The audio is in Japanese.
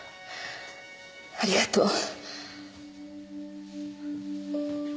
ありがとう。